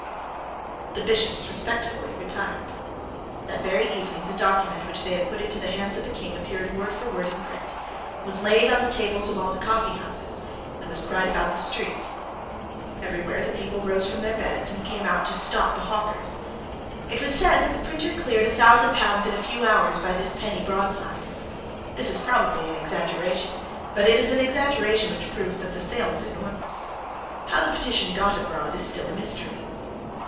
The Bishops respectfully retired. That very evening the document which they had put into the hands of the King appeared word for word in print, was laid on the tables of all the coffeehouses, and was cried about the streets. Everywhere the people rose from their beds, and came out to stop the hawkers. It was said that the printer cleared a thousand pounds in a few hours by this penny broadside. This is probably an exaggeration; but it is an exaggeration which proves that the sale was enormous. How the petition got abroad is still a mystery.